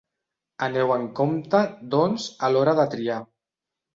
Aneu en compte, doncs, a l'hora de triar.